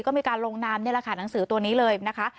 ก็มีการลงนามนี่แหละค่ะหนังสือตัวนี้เลยนะคะ